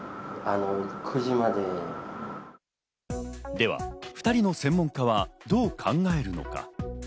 では２人の専門家はどう考えるのか。